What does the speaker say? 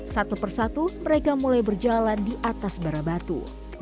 satu persatu mereka mulai berjalan di atas bara batu